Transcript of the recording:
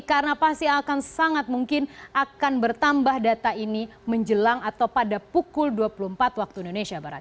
karena pasti akan sangat mungkin akan bertambah data ini menjelang atau pada pukul dua puluh empat waktu indonesia barat